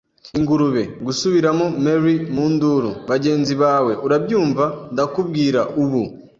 “Ingurube!” gusubiramo Merry, mu nduru. “Bagenzi bawe, urabyumva? Ndakubwira ubu,